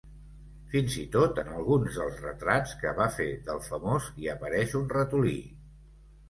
Fins i tot en alguns dels retrats que va fer del famós hi apareix un ratolí.